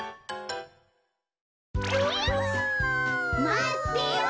まってよ！